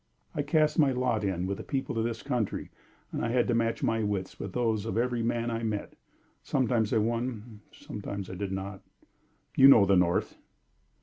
I cast my lot in with the people of this country, and I had to match my wits with those of every man I met. Sometimes I won, sometimes I did not. You know the North."